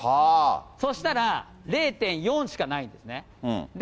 そしたら、０．４しかないんですね。